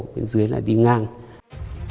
điênh dưới là điênh dưới